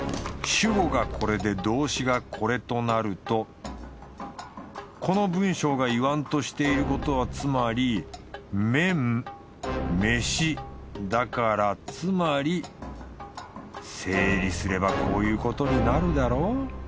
主語がこれで動詞がこれとなるとこの文章が言わんとしていることはつまり麺飯だからつまり整理すればこういうことになるだろ？